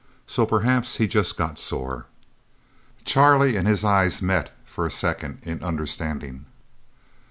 So perhaps he just got sore. Charlie's and his eyes met for a second, in understanding.